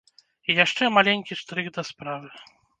І яшчэ маленькі штрых да справы.